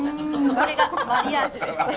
これがマリアージュですね。